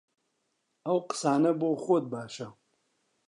ئەو قسانە بۆ خۆت باشە!